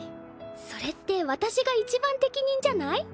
それって私がいちばん適任じゃない？